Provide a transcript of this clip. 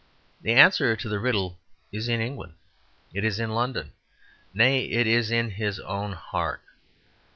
The answer to the riddle is in England; it is in London; nay, it is in his own heart.